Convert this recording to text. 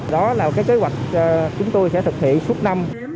đó là cái kế hoạch chúng tôi sẽ thực hiện suốt năm